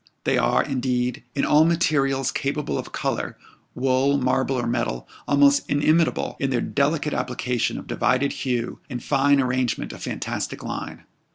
They are, indeed, in all materials capable of colour, wool, marble, or metal, almost inimitable in their delicate application of divided hue, and fine arrangement of fantastic line.